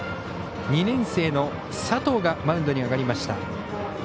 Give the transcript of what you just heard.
２年生の佐藤がマウンドに上がりました。